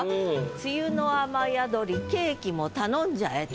「梅雨の雨宿りケーキもたのんじゃえ」って。